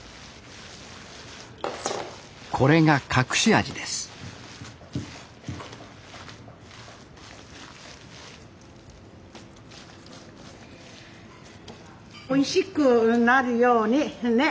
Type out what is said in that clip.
これが隠し味ですおいしくなるようにね。